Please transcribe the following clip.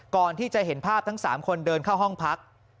ก่อนที่จะเห็นภาพทั้ง๓คนเดินเข้าห้องพัก